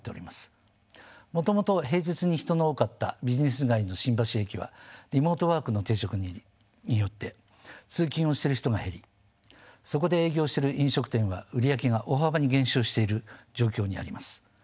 もともと平日に人の多かったビジネス街の新橋駅はリモートワークの定着によって通勤をしてる人が減りそこで営業してる飲食店は売り上げが大幅に減少している状況にあります。